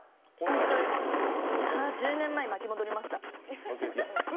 あ１０年前に巻き戻りました。